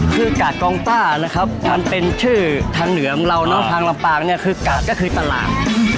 คือกาดกองต้านะครับมันเป็นชื่อทางเหนือของเราเนอะทางลำปางเนี่ยคือกาดก็คือตลาด